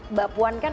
mbak puan kan